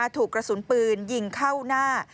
ถูกกระสุนปืนยิงเข้าหน้า